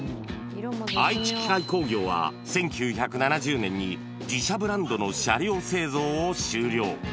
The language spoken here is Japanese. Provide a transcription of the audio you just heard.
愛知機械工業は１９７０年に自社ブランドの車両製造を終了。